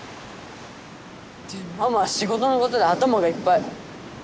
でもママは仕事のことで頭がいっぱい。